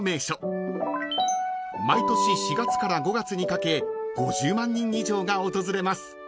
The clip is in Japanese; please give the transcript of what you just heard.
［毎年４月から５月にかけ５０万人以上が訪れます］